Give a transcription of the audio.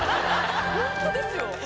本当ですよ！